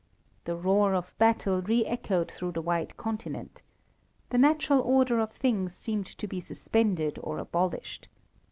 The roar of battle re echoed through the wide continent. The natural order of things seemed to be suspended or abolished.